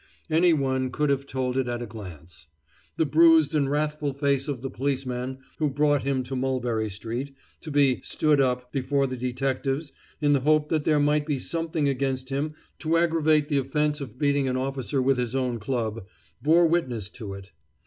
Any one could have told it at a glance. The bruised and wrathful face of the policeman who brought him to Mulberry street, to be "stood up" before the detectives in the hope that there might be something against him to aggravate the offense of beating an officer with his own club, bore witness to it.